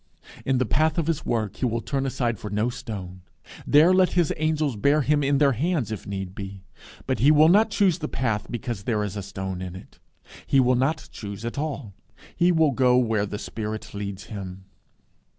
In the path of his work he will turn aside for no stone. There let the angels bear him in their hands if need be. But he will not choose the path because there is a stone in it. He will not choose at all. He will go where the Spirit leads him.